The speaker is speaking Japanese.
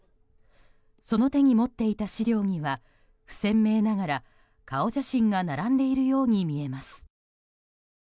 その手に持っていた資料には不鮮明ながら顔写真が並んでいるように見えます。